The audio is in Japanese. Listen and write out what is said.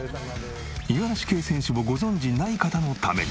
五十嵐圭選手をご存じない方のために。